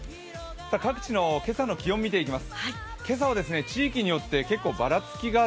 各地の今朝の気温を見ていきます。